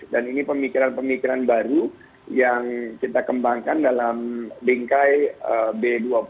dan ini pemikiran pemikiran baru yang kita kembangkan dalam bingkai b dua puluh